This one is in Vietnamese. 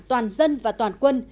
toàn dân và toàn quân